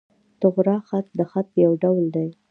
طغرا خط، د خط یو ډول دﺉ.